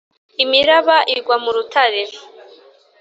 imiraba igwa mu rutare.